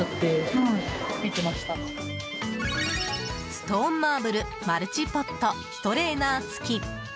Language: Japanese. ストーンマーブルマルチポットストレーナー付き。